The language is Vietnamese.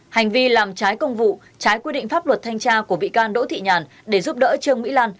hành vi làm trái công vụ trái quy định pháp luật thanh tra của bị can đỗ thị nhàn để giúp đỡ trương mỹ lan